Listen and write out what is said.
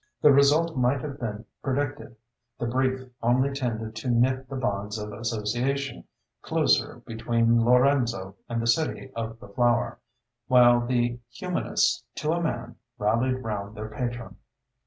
The result might have been predicted. The "brief" only tended to knit the bonds of association closer between Lorenzo and the "City of the Flower," while the humanists to a man rallied round their patron.